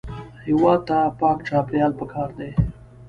هېواد ته پاک چاپېریال پکار دی